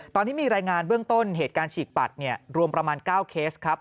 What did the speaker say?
ตอนนี้มีรายงานเบื้องต้นเหตุการณ์ฉีกปัดรวมประมาณ๙เคสครับ